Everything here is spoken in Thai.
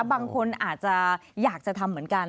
บางคนอาจจะอยากจะทำเหมือนกัน